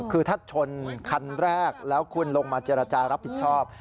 คือถ้าชนคันแรกแล้วคุณลงมาเจรจารับผิดชอบ